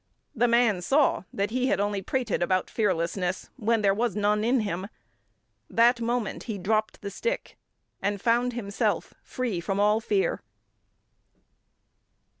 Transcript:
The man saw that he had only prated about fearlessness when there was none in him. That moment he dropped the stick, and found himself free from all fear.